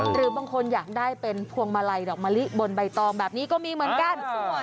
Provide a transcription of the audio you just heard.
หรือบางคนอยากได้เป็นพวงมาลัยดอกมะลิบนใบตองแบบนี้ก็มีเหมือนกัน